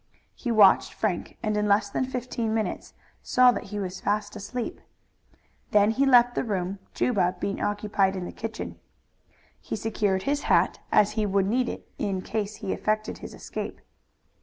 He watched Frank and in less than fifteen minutes saw that he was fast asleep. Then he left the room, Juba being occupied in the kitchen. He secured his hat, as he would need it in case he effected his escape.